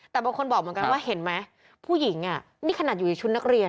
แต่บางคนบอกเหมือนกันว่าเห็นไหมผู้หญิงนี่ขนาดอยู่ในชุดนักเรียน